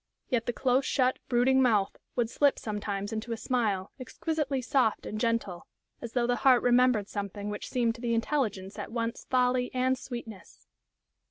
Yet the close shut, brooding mouth would slip sometimes into a smile exquisitely soft and gentle, as though the heart remembered something which seemed to the intelligence at once folly and sweetness.